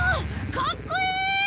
かっこいい！